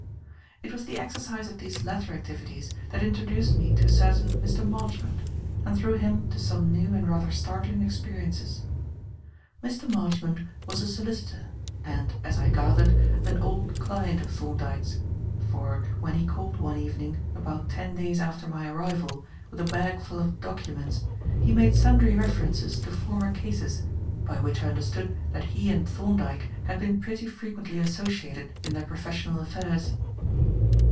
It was the exercise of these latter activities that introduced me to a certain Mr. Marchmont, and through him to some new and rather startling experiences. Mr. Marchmont was a solicitor, and, as I gathered, an old client of Thorndyke's; for, when he called one evening, about ten days after my arrival, with a bagful of documents, he made sundry references to former cases by which I understood that he and Thorndyke had been pretty frequently associated in their professional affairs.